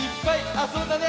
あそんだね。